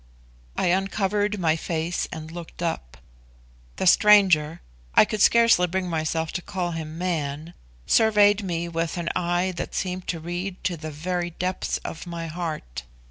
I uncovered my face and looked up. The stranger (I could scarcely bring myself to call him man) surveyed me with an eye that seemed to read to the very depths of my heart.